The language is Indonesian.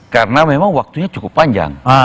karena memang waktunya cukup panjang